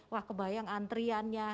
wah kebayang antriannya